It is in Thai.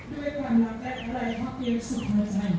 ด้วยความรักและอะไรพ่อเพียสุขใจ